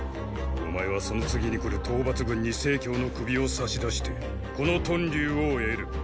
お前はその次に来る討伐軍に成の首をさし出してこの屯留を得る。